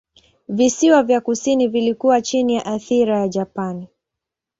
Visiwa vya kusini vilikuwa chini ya athira ya Japani.